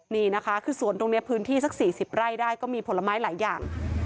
นี่นะคะคือสวนตรงนี้พื้นที่สัก๔๐ไร่ได้ก็มีผลไม้หลายอย่าง